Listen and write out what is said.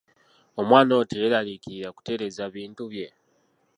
Omwana oyo teyeeraliikirira kutereeza bintu bye.